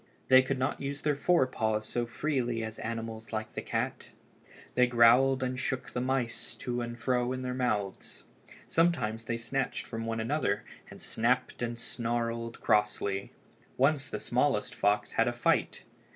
They could not use their fore paws so freely as animals like the cat. They growled and shook the mice to and fro in their mouths. Sometimes they snatched from one another and snapped and snarled crossly. Once the smallest fox had a fight.